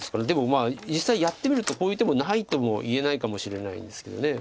でもまあ実際やってみるとこういう手もないとも言えないかもしれないんですけど。